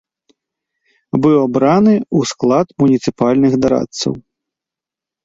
Быў абраны ў склад муніцыпальных дарадцаў.